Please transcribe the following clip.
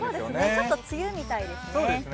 ちょっと梅雨みたいですね。